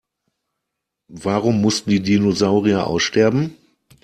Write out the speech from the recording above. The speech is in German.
Warum mussten die Dinosaurier aussterben?